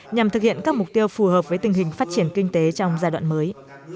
nhằm thực hiện các mục tiêu phù hợp với tình hình phát triển kinh tế trong giai đoạn mới